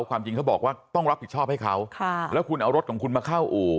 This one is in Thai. ความจริงเขาบอกว่าต้องรับผิดชอบให้เขาแล้วคุณเอารถของคุณมาเข้าอู่